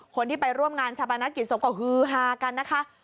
คนที่ไปร่วมงานชาปนกิจศพก็ฮือฮากันนะคะ